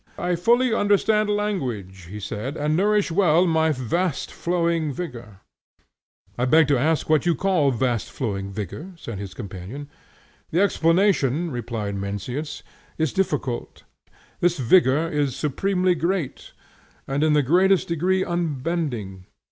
"I fully understand language," he said, "and nourish well my vast flowing vigor." "I beg to ask what you call vast flowing vigor?" said his companion. "The explanation," replied Mencius, "is difficult. This vigor is supremely great, and in the highest degree unbending.